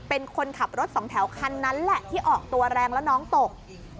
เป็นคนขับรถสองแถวคันนั้นแหละที่ออกตัวแรงแล้วน้องตก